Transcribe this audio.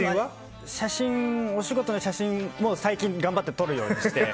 お仕事の写真も最近、頑張って撮るようにして。